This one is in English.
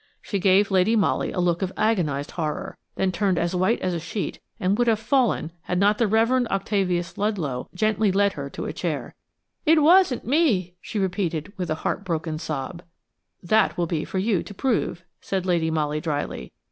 She gave Lady Molly a look of agonised horror, then turned as white as a sheet and would have fallen had not the Reverend Octavius Ludlow gently led her to a chair. "It wasn't me," she repeated, with a heart broken sob. "That will be for you to prove," said Lady Molly dryly.